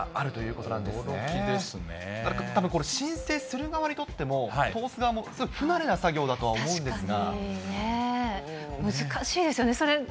これ、たぶん申請する側にとっても、通す側も、すごい不慣れな作業だと思うんですが。